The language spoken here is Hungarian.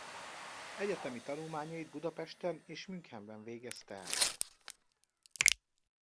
Egyetemi tanulmányait Budapesten és Münchenben végezte el.